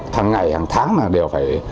tháng ngày hàng tháng là đều phải